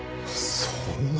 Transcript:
そんな！